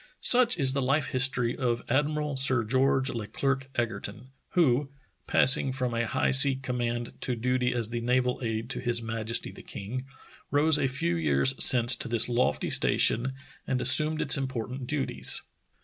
Such is the life history of Admiral Sir George Le Clerc Egerton, who, passing from a high sea command to duty as the naval aid to his majesty the King, rose a few years since to this lofty station and assumed its im The Saving of Petersen 217 portant duties.